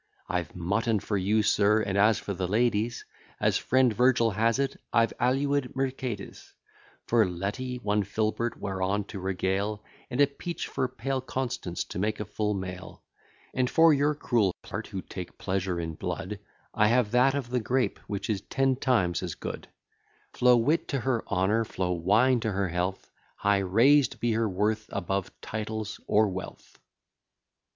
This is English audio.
I've mutton for you, sir; and as for the ladies, As friend Virgil has it, I've aliud mercedis; For Letty, one filbert, whereon to regale; And a peach for pale Constance, to make a full meal; And for your cruel part, who take pleasure in blood, I have that of the grape, which is ten times as good: Flow wit to her honour, flow wine to her health: High raised be her worth above titles or wealth.